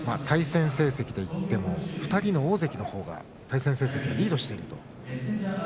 対戦成績でいっても２人の大関のほうがリードしています。